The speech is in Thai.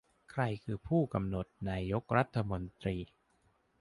ใครคือผู้กำหนดนายกรัฐมนตรี